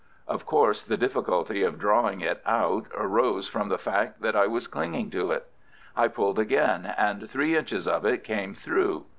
Of course the difficulty of drawing it out arose from the fact that I was clinging to it. I pulled again, and three inches of it came through.